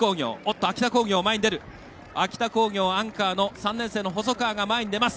秋田工業、アンカーの３年生、細川が前に出ます。